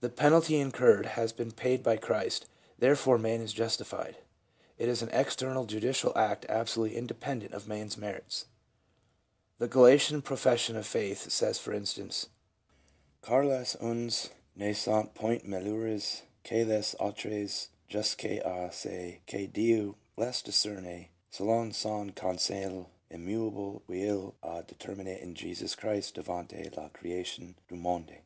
The penalty incurred has been paid by Christ, therefore man is justified. It is an external judicial act absolutely inde pendent of man's merits. The Gallican profession of faith says for instance : "Car les uns ne sont point meilleurs que les autres jusqu 1 a ce que Dieu les discerne, selon son conseil im mudble qu'il a determini en Jesus Christ devanl la crSation du monde."